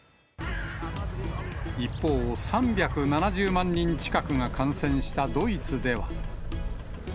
一方、３７０万人近くが感染したドイツでは。